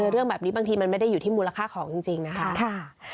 เรื่องแบบนี้บางทีมันไม่ได้อยู่ที่มูลค่าของจริงนะคะ